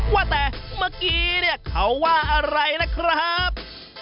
ว่าแต่เมื่อกี้เนี่ยเขาว่าอะไรนะครับ